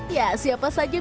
ya siapa saja bisa